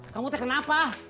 kamu teh kenapa